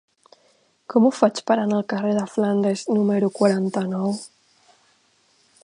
Com ho faig per anar al carrer de Flandes número quaranta-nou?